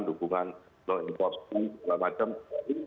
dukungan law enforcement